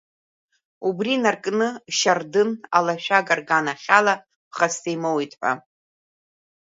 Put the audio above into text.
Убри инаркны, Шьардын алашәага рганахьала ԥхасҭа имоуит ҳәа.